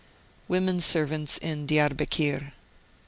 WOMEN SERVANTS IN DIARBEKIR.